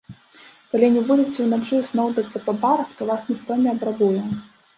Калі не будзеце ўначы сноўдацца па барах, то вас ніхто не абрабуе.